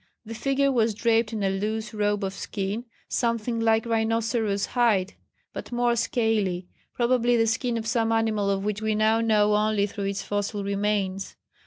The figure was draped in a loose robe of skin, something like rhinoceros hide, but more scaly, probably the skin of some animal of which we now know only through its fossil remains.